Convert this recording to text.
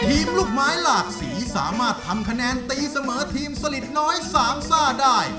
ลูกไม้หลากสีสามารถทำคะแนนตีเสมอทีมสลิดน้อยสามซ่าได้